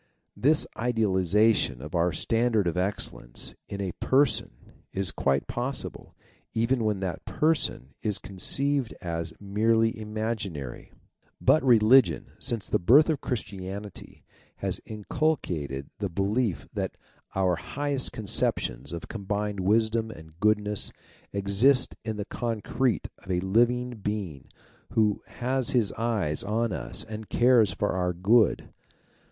This idealiza tion of our standard of excellence in a Person is quite possible, even when that Person is conceived as merely imaginary. But religion, since the birth of Christianity, has inculcated the belief that our highest conceptions of combined wisdom and goodness exist GENERAL RESULT 251 in the concrete in a living Being who has his eyes on us and cares for our good.